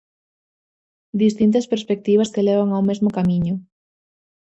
Distintas perspectivas que levan a un mesmo camiño.